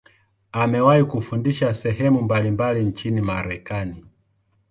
Amewahi kufundisha sehemu mbalimbali nchini Marekani.